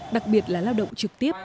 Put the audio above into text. đặc biệt là lao động trực tiếp